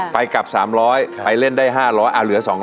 ไปกลับ๓๐๐ไปเล่นได้๕๐๐เหลือ๒๐๐